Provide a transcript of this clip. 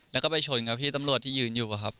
แล้วก็ไปชนกับพี่ตำรวจที่ยืนอยู่ครับ